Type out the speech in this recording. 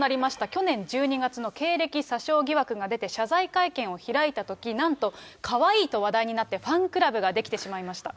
去年１２月の経歴詐称疑惑が出て、謝罪会見を開いたとき、なんと、かわいいと話題になって、ファンクラブが出来てしまいました。